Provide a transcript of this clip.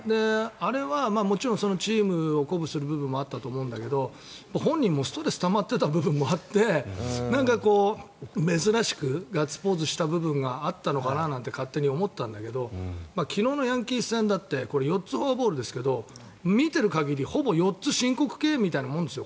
あれはチームを鼓舞する部分もあったと思うけど本人もストレスがたまっていた部分もあって珍しくガッツポーズした部分があったのかななんて勝手に思ったんだけど昨日のヤンキース戦だって４つフォアボールですけど見ている限り、ほぼ４つ申告敬遠みたいなものですよ。